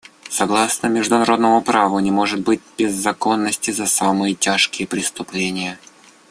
Согласно международному праву не может быть безнаказанности за самые тяжкие преступления.